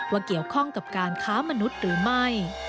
เกี่ยวข้องกับการค้ามนุษย์หรือไม่